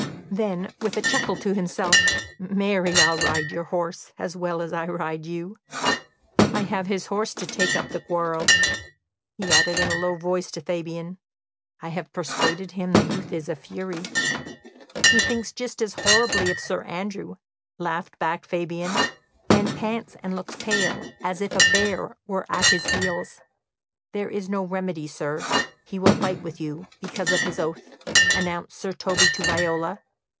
Then, with a chuckle to himself: "Marry, I'll ride your horse, as well as I ride you!... I have his horse to take up the quarrel," he added in a low voice to Fabian. "I have persuaded him the youth is a fury." "He thinks just as horribly of Sir Andrew," laughed back Fabian, "and pants and looks pale as if a bear were at his heels." "There is no remedy, sir; he will fight with you, because of his oath," announced Sir Toby to Viola.